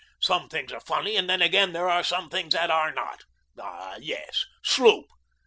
Some things are funny, and then, again, there are some things that are not. Ah, yes, sloop!